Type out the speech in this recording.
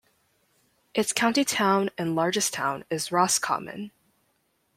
Its county town and largest town is Roscommon.